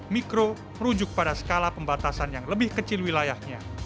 mikro merujuk pada skala pembatasan yang lebih kecil wilayahnya